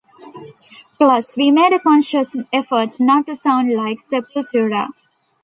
Plus, we made a conscious effort not to sound like Sepultura.